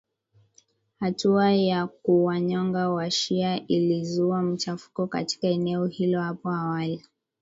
Hatua ya kuwanyonga washia ilizua machafuko katika eneo hilo hapo awali